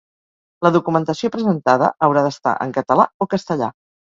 La documentació presentada haurà d'estar en català o castellà.